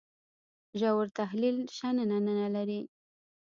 ژور تحلیل شننه نه لري.